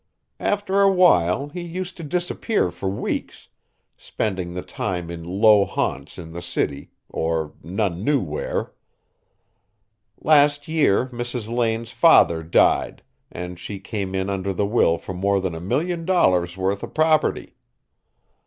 After a while he used to disappear for weeks, spending the time in low haunts in the city, or none knew where. Last year Mrs. Lane's father died, and she came in under the will for more than a million dollars' worth of property.